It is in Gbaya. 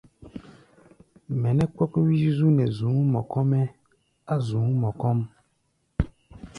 Mɛ nɛ́ kpɔ́k wí-zúzú nɛ zu̧ú̧ mɔ kɔ́-mɛ́ á̧ zu̧ú̧ mɔ kɔ́ʼm.